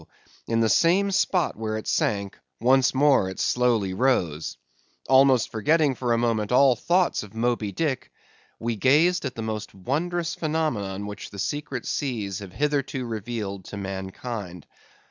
in the same spot where it sank, once more it slowly rose. Almost forgetting for the moment all thoughts of Moby Dick, we now gazed at the most wondrous phenomenon which the secret seas have hitherto revealed to mankind.